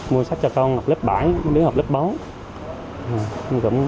mua sách cho con học lớp bảy đứa học lớp bốn